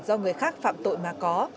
do người khác phạm tội mà có